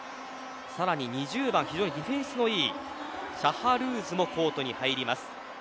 さらに２０番非常にディフェンスのいいシャハルーズも入ります。